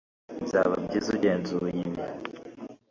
Byaba byiza ugenzuye ibi